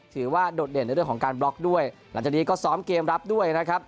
โดดเด่นในเรื่องของการบล็อกด้วยหลังจากนี้ก็ซ้อมเกมรับด้วยนะครับ